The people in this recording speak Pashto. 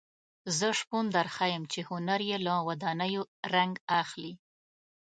زه شپون درښیم چې هنر یې له ودانیو رنګ اخلي.